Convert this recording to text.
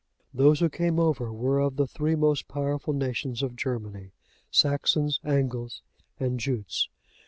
Those who came over were of the three most powerful nations of Germany—Saxons, Angles, and Jutes.